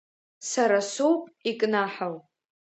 Сара соуп икнаҳау.